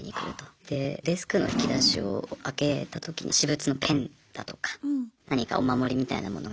でデスクの引き出しを開けたときに私物のペンだとか何かお守りみたいなものが入っていたようでして